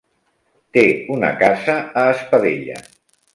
Té una casa a Espadella.